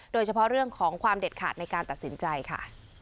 โดยเฉพาะเรื่องของความเด็ดขาดในการตัดสินใจค่ะ